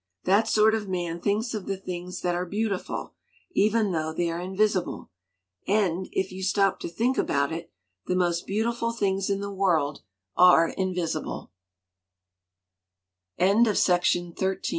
That sort of man thinks of the things that are beautiful, even though they are invisible. And if you stop to think about it the most beautiful things in the world